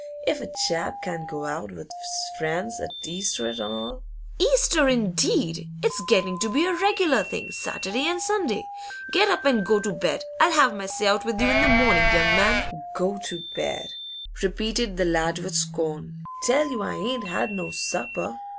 If a chap can't go out with 's friends 't Easter an' all ?' 'Easter, indeed! It's getting to be a regular thing, Saturday and Sunday. Get up and go to bed! I'll have my say out with you in the morning, young man.' 'Go to bed!' repeated the lad with scorn. 'Tell you I ain't had no supper.